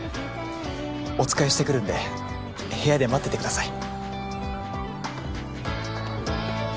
おつかいしてくるんで部屋で待っててください